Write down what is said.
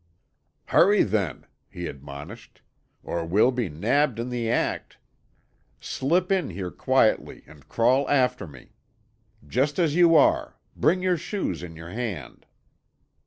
"Hurry, then," he admonished, "or we'll be nabbed in the act. Slip in here quietly and crawl after me. Just as you are. Bring your shoes in your hand."